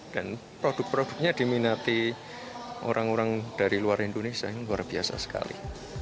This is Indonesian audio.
dan produk produknya diminati orang orang dari luar indonesia yang luar biasa sekali